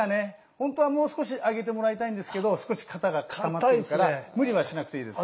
ほんとはもう少し上げてもらいたいんですけど少し肩が固まってるから無理はしなくていいです。